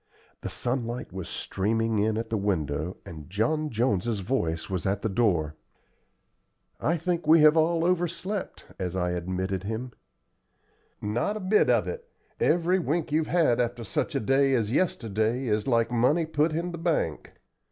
The sunlight was streaming in at the window and John Jones's voice was at the door. "I think we have all overslept," I said, as I admitted him. "Not a bit of it. Every wink you've had after such a day as yesterday is like money put in the bank.